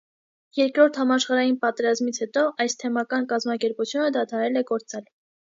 Երկրորդ համաշխարհային պատերազմից հետո այս թեմական կազմակերպությունը դադարել է գործել։